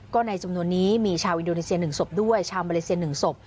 ก็ในจำนวนนี้มีชาวอินโดนีเซีย๑ศพด้วยชาวมาเลเซีย๑ศพ